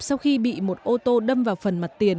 sau khi bị một ô tô đâm vào phần mặt tiền